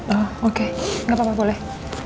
oh oke gapapa boleh